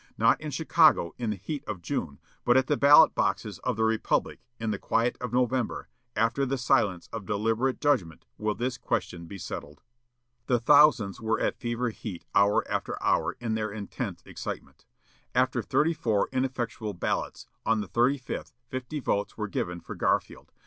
Not in Chicago, in the heat of June, but at the ballot boxes of the republic, in the quiet of November, after the silence of deliberate judgment, will this question be settled." The thousands were at fever heat hour after hour, in their intense excitement. After thirty four ineffectual ballots, on the thirty fifth, fifty votes were given for Garfield.